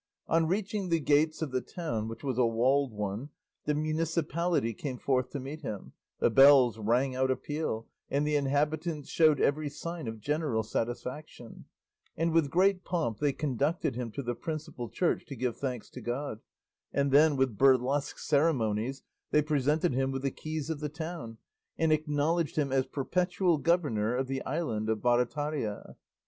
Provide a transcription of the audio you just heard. On reaching the gates of the town, which was a walled one, the municipality came forth to meet him, the bells rang out a peal, and the inhabitants showed every sign of general satisfaction; and with great pomp they conducted him to the principal church to give thanks to God, and then with burlesque ceremonies they presented him with the keys of the town, and acknowledged him as perpetual governor of the island of Barataria.